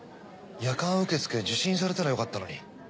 夜間受付受診されたらよかったのに。